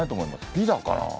ピザかな？